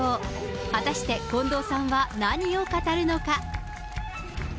果たして近藤さんは何を語るのか。